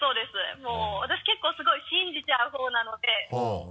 もう私結構すごい信じちゃうほうなので。